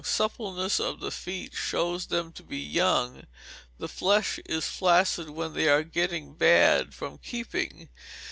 Suppleness of the feet shows them to be young; the flesh is flaccid when they are getting bad from keeping.